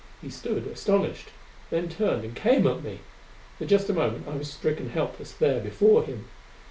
He stood astonished; then turned and came at me! For just a moment I was stricken helpless there before him.